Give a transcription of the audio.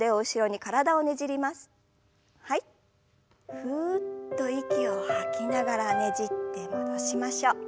ふっと息を吐きながらねじって戻しましょう。